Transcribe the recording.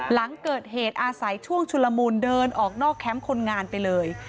หลังเกิดเหตุอาศัยช่วงชุลมูลเดินออกนอกแคมป์คนงานไปเลย